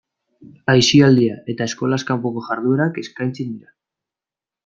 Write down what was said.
Aisialdia eta eskolaz kanpoko jarduerak eskaintzen dira.